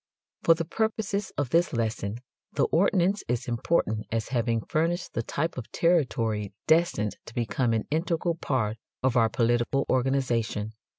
For the purposes of this lesson the ordinance is important as having furnished the type of territory destined to become an integral part of our political organization.